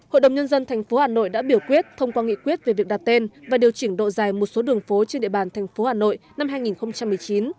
hội đồng nhân dân tp hà nội đã biểu quyết thông qua nghị quyết về việc đặt tên và điều chỉnh độ dài một số đường phố trên địa bàn thành phố hà nội năm hai nghìn một mươi chín